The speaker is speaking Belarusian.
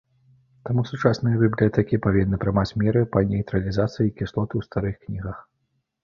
Таму сучасныя бібліятэкі павінны прымаць меры па нейтралізацыі кіслот у старых кнігах.